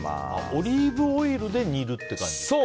オリーブオイルで煮るっていう感じか。